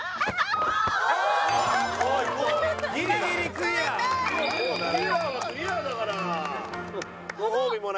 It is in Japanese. クリアはクリアだから。